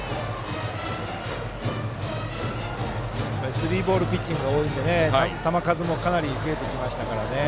スリーボールピッチングが多いので球数もかなり増えてきましたね。